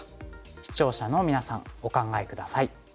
視聴者のみなさんお考え下さい。